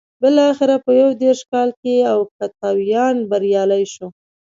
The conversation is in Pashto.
بلاخره په یو دېرش کال کې اوکتاویان بریالی شو